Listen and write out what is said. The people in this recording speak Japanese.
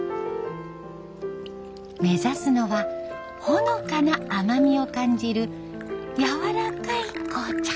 目指すのはほのかな甘みを感じるやわらかい紅茶。